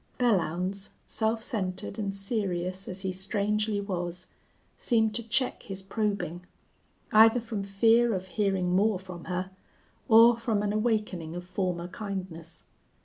Belllounds, self centered and serious as he strangely was, seemed to check his probing, either from fear of hearing more from her or from an awakening of former kindness.